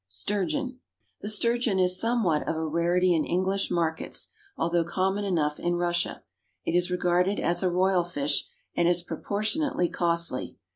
=Sturgeon.= The sturgeon is somewhat of a rarity in English markets, although common enough in Russia. It is regarded as a royal fish, and is proportionately costly.